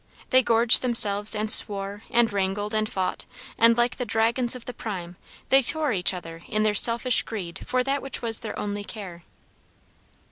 They gorged themselves, and swore, and wrangled, and fought, and like the "dragons of the prime," they tore each other in their selfish greed for that which was their only care.